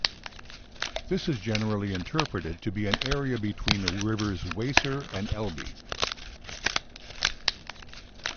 This is generally interpreted to be an area between the rivers Weser and Elbe.